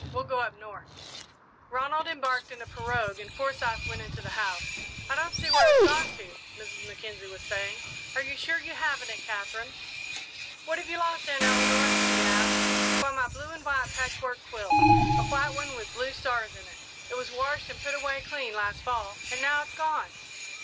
We'll go up north." Ronald embarked in a pirogue and Forsyth went into the house. "I don't see where it's gone to," Mrs. Mackenzie was saying. "Are you sure you haven't it, Katherine?" "What have you lost, Aunt Eleanor?" he asked. "Why, my blue and white patchwork quilt a white one with blue stars in it. It was washed and put away clean last Fall, and now it's gone."